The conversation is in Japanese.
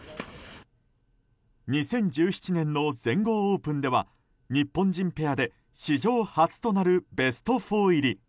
２０１７年の全豪オープンでは日本人ペアで史上初となるベスト４入り。